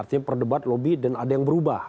artinya perdebat lobby dan ada yang berubah